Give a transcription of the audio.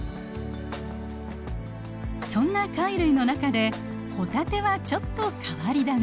そんな貝類の中でホタテはちょっと変わり種。